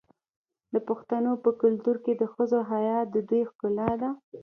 د پښتنو په کلتور کې د ښځو حیا د دوی ښکلا ده.